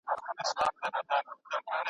څنګه کولای سو قونسلګري د خپلو ګټو لپاره وکاروو؟